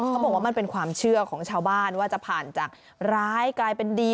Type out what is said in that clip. เขาบอกว่ามันเป็นความเชื่อของชาวบ้านว่าจะผ่านจากร้ายกลายเป็นดี